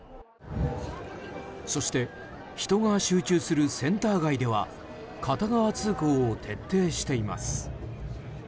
そして、人が集中するセンター街では片側通行を徹底しています。